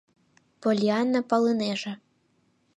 — Поллианна палынеже.